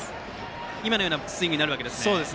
今のようなスイングになるわけですね。